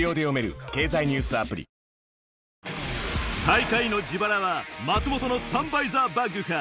最下位の自腹は松本のサンバイザーバッグか？